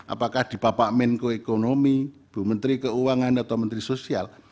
apakah di bapak menko ekonomi bu menteri keuangan atau menteri sosial